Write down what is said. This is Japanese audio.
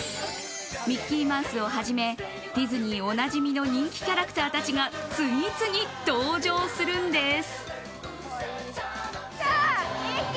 ミッキーマウスをはじめディズニーおなじみの人気キャラクターたちが次々登場するんです。